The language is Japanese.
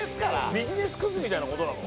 ビジネスクズみたいな事なの？